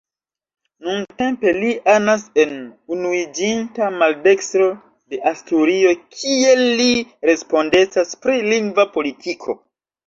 Nuntempe li anas en Unuiĝinta Maldekstro de Asturio kie li respondecas pri lingva politiko.